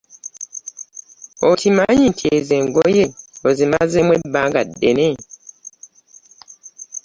Okimanyi nti ezo engoye ozimazemu ebanga ddene.